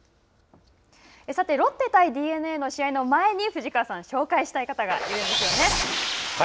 さてロッテ対ＤｅＮＡの試合の前に紹介したいことがあるんですよね。